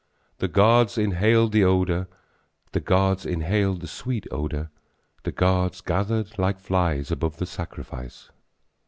The gods inhaled the odor, The gods inhaled the sweet odor, The gods gathered like flies above the sacrifice.